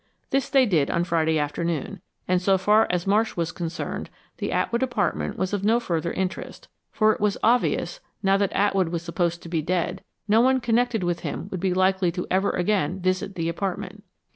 This they did on Friday afternoon, and so far as Marsh was concerned, the Atwood apartment was of no further interest, for it was obvious, now that Atwood was supposed to be dead, no one connected with him would be likely to ever again visit the apartment.